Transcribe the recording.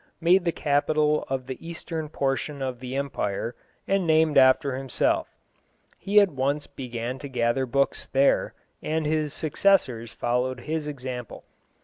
made the capital of the eastern portion of the empire, and named after himself. He at once began to gather books there, and his successors followed his example.